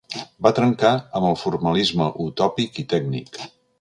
Va trencar amb el formalisme utòpic i tècnic.